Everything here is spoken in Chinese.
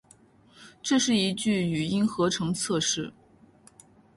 这是一句语音合成测试